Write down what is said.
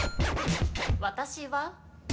私は。